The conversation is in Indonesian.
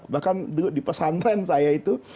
bahkan dulu di pesantren saya itu